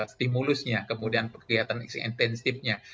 stimulusnya kemudian kegiatan intensifnya